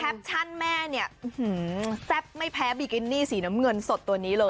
ชั่นแม่เนี่ยแซ่บไม่แพ้บิกินี่สีน้ำเงินสดตัวนี้เลย